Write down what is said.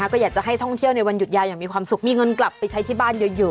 ก็อยากจะให้ท่องเที่ยวในวันหยุดยาวอย่างมีความสุขมีเงินกลับไปใช้ที่บ้านเยอะ